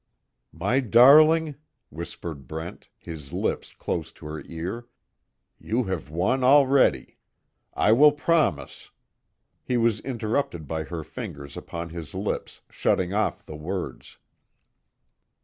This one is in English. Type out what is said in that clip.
"My darling," whispered Brent, his lips close to her ear, "You have won already. I will promise " He was interrupted by her fingers upon his lips, shutting off the words.